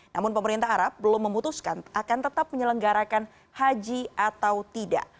namun pemerintah arab belum memutuskan akan tetap menyelenggarakan haji atau tidak